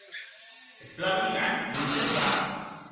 Eth plan brigand non se’n va.